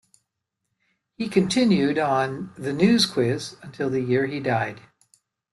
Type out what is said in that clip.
He continued on "The News Quiz" until the year he died.